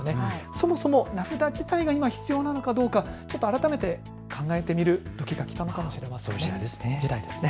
そもそも名札自体が今必要なのかどうか、改めて考えてみるときが来たのかもしれないですね。